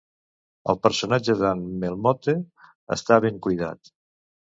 El personatge d'en Melmotte està ben cuidat.